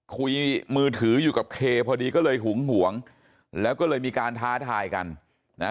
คุยมือถืออยู่กับเคพอดีก็เลยหึงหวงแล้วก็เลยมีการท้าทายกันนะฮะ